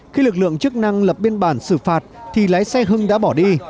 khi lực lượng chức năng lập biên bản xử phạt thì lái xe hưng đã bỏ đi